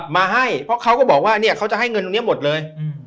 มาให้เพราะเขาก็บอกว่าเนี่ยเขาจะให้เงินตรงนี้หมดเลย